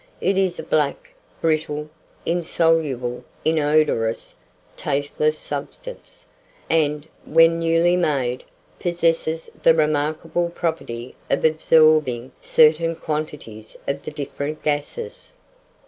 It is a black, brittle, insoluble, inodorous, tasteless substance, and, when newly made, possesses the remarkable property of absorbing certain quantities of the different gases.